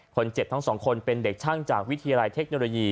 คนเจ็บทั้งสองคนเป็นเด็กช่างจากวิทยาลัยเทคโนโลยี